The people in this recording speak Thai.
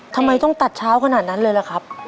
ทำไมต้องตัดเช้าขนาดนั้นเลยล่ะครับ